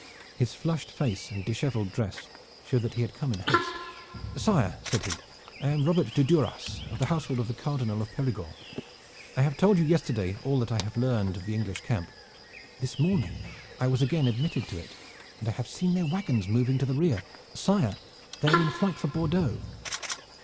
His flushed face and disheveled dress showed that he had come in haste. "Sire," said he, "I am Robert de Duras, of the household of the Cardinal de Perigord. I have told you yesterday all that I have learned of the English camp. This morning I was again admitted to it, and I have seen their wagons moving to the rear. Sire, they are in flight for Bordeaux."